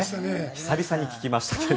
久々に聞きましたけど。